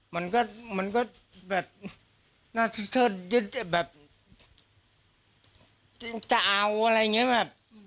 มันก็มันก็แบบน่าจะเอาอะไรอย่างเงี้ยแบบ